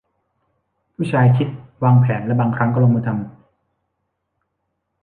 ผู้ชายคิด วางแผนและบางครั้งก็ลงมือทำ